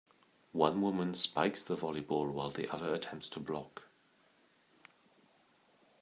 One woman spikes the volleyball while the other attempts to block.